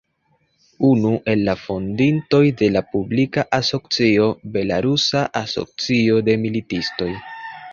Unu el la fondintoj de la publika asocio "Belarusa Asocio de Militistoj.